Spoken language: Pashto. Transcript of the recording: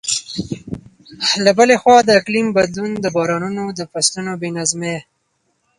له بلې خوا، د اقلیم بدلون د بارانونو د فصلونو بې نظمۍ.